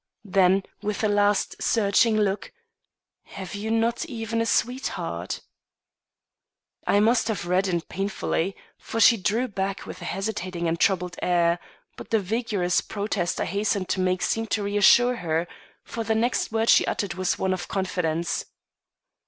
Then with a last searching look, "Have you not even a sweetheart?" I must have reddened painfully, for she drew back with a hesitating and troubled air; but the vigorous protest I hastened to make seemed to reassure her, for the next word she uttered was one of confidence.